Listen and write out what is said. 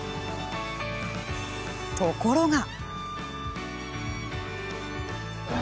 ところが。